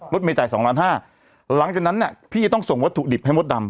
เมจ่ายสองล้านห้าหลังจากนั้นเนี่ยพี่จะต้องส่งวัตถุดิบให้มดดำ